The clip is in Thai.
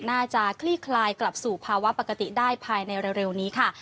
คลี่คลายกลับสู่ภาวะปกติได้ภายในเร็วนี้ค่ะ